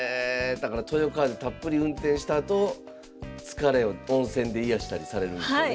だからトヨカーでたっぷり運転したあと疲れを温泉で癒やしたりされるんでしょうね。